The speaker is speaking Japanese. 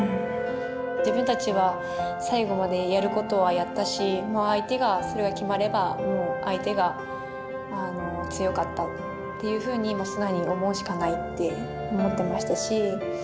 自分たちは最後までやることはやったし相手がそれが決まれば相手が強かったっていうふうに素直に思うしかないって思ってましたし。